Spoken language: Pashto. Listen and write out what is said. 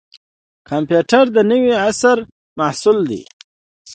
کمپیوټر د نوي عصر محصول دی